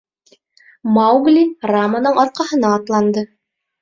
Маугли Раманың арҡаһына атланды.